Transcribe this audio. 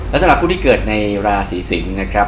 และสำหรับผู้ที่เกิดในราศีสิงศ์นะครับ